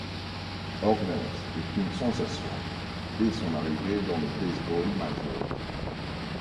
Horner est une sensation dès son arrivée dans le baseball majeur.